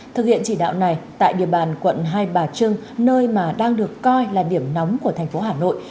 thực hiện chỉ đạo này tại địa bàn quận hai bà trưng nơi mà đang được coi là điểm nóng của thành phố hà nội